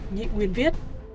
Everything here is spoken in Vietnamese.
nhị nguyên viết